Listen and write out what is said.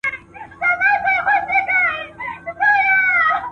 هر انسان به خپل عیبونه سمولای ..